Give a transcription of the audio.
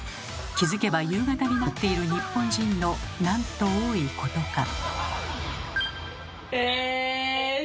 気付けば夕方になっている日本人のなんと多いことか。